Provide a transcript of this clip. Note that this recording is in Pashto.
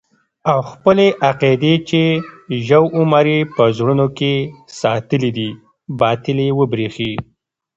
او خپلې عقيدې چې يو عمر يې په زړونو کښې ساتلې دي باطلې وبريښي.